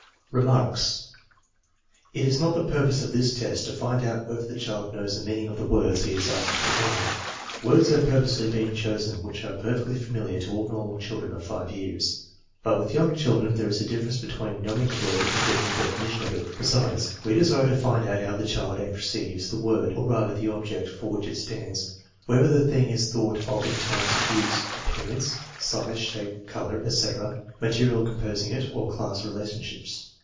Remarks. It is not the purpose of this test to find out whether the child knows the meaning of the words he is asked to define. Words have purposely been chosen which are perfectly familiar to all normal children of 5 years. But with young children there is a difference between know ing a word and giving a definition of it. Besides, we desire to find out how the child apperceives the word, or rather the object for which it stands; whether the thing is thought of in terms of use, appearance (shape, size, color, etc.), material composing it, or class relationships.